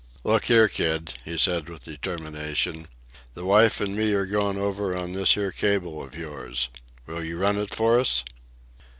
"Look here, kid," he said, with determination, "the wife and me are goin' over on this here cable of yours! Will you run it for us?"